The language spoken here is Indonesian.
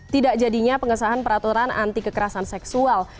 tidak jadinya pengesahan peraturan anti kekerasan seksual